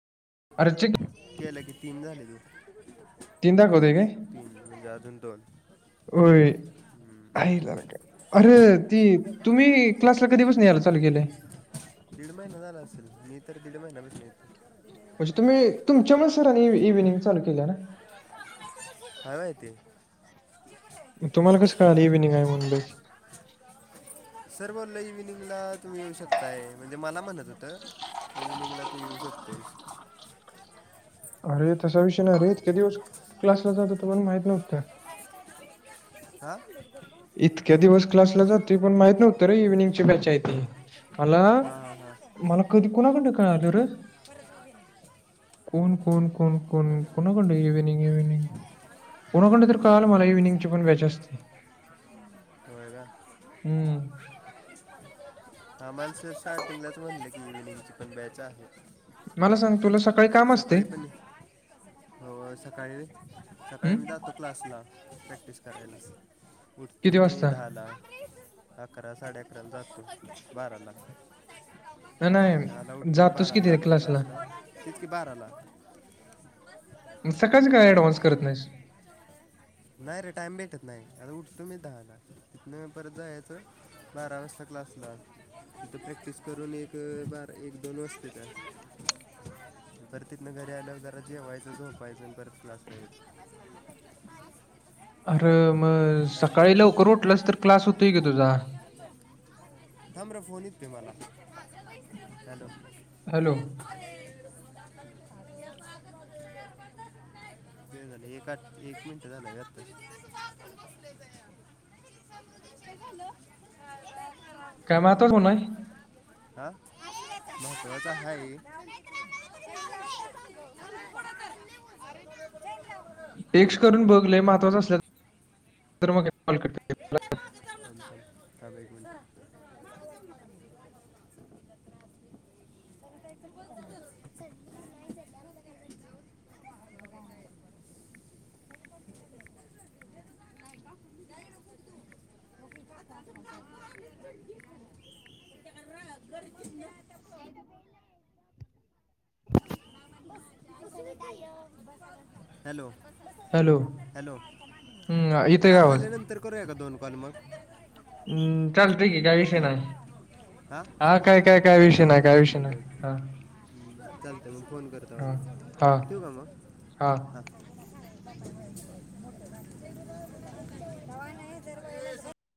आरचीक केलं की तीन झाले की तीन दाखवतय काय तीन म्हणजे अजून दोन होय आईला अरे ती तुम्ही क्लासला कधी पासुन यायला चालू केलंय दीड महिना झाला असेल, मी तर दीड महिन्यापासून येतोय. म्हणजे तुम्ही तुमच्यामुळे सरांनी इव्हनिंग चालू केल्या ना हाय व्हय ते तुम्हांला कसं कळालं इव्हनिंग आहे, म्हणुन सर बोलले इव्हिनिंगला तुम्ही येऊ शकताय म्हणजे मला म्हणत होतं इव्हिनिंगला तीन सत्तावीस अरे तसा विषय नाही रेे इतक्या दिवस क्लासला जात होतो पण माहित नव्हतं. [unintelligible] आ इतक्या दिवस क्लासला जातोय पण माहित नव्हतं रे इव्हिनिंगची बॅच आहे ती मला, हां हां हां मला कधी कुणाकडन कळालं रे कोण कोण कोण कोण पुण्याकडनं कोणाकडन इव्हिनिंग इव्हनिंग कोणाकडन तर कळालं मला इव्हिनिंगची पण बँच असते. होय काय हम्म. [unintelligible] मला सांग तुला सांग सकाळी पण होय, सकाळी हं? सकाळी मी जातो क्लासला प्रॅक्टिस करायला. उठतो किती मी वाजता दहाला अकरा साडे अकराला जातो बारा ला नाही दहा ला नाही, उठतो आणि जातोस बाराला किती जातो क्लासला तेच की बाराला मग सकाळच का अँडव्हान्स करत नाहीस. नाही रे टाइम भेटत नाही आणि उठतो मी दहाला तिथून परत जायाचं. बारा वाजता क्लासला आता प्रॅक्टीस करून एक बारा एक दोन वाजत्यात. परत तिथन घरी आल्यावर जरा जेवायचं झोपायचं आणि परत क्लासला यायचं. आर मग टाईम सकाळी भेटत लवकर नाही उठलास तर क्लास होतोय कि तुझा थांबर फोन येतोय मला हॅलो हॅलो [unintelligible] ते झालं एक आठ एक मिनटं झालाय आता झालं काम म आता कोण आहे. हा महत्वाचा हाय. [inaudible] हॅलो टेक्स्ट करून बघ लई महत्वाचं असलं तर मग कॉल करते. [unintelligible] [unintelligible] हॅलो हॅलो हॅलो हं, इथे का क्लास आवाज झाल्यानंतर करूया का दोन कॉल मग? हम्म चालतय की काय विषय हॅलो नाही, हां हा काय काय काय विषय नाही काय विषय नाही हा चालतय मग फोन करताव हा हा आम्ही ठेवु का मग हा हा [unintelligible]